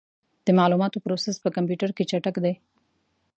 د معلوماتو پروسس په کمپیوټر کې چټک دی.